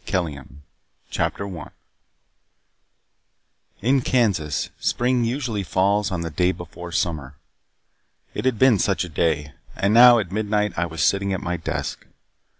KELLEAM ILLUSTRATED by FINLAY CHAPTER 1 In Kansas, spring usually falls on the day before summer. It had been such a day, and now at midnight I was sitting at my desk.